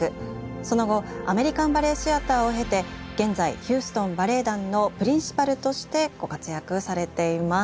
その後アメリカン・バレエ・シアターを経て現在ヒューストン・バレエ団のプリンシパルとしてご活躍されています。